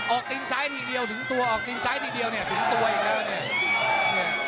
ตีนซ้ายทีเดียวถึงตัวออกตีนซ้ายทีเดียวเนี่ยถึงตัวอีกแล้วเนี่ย